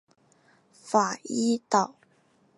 法伊岛。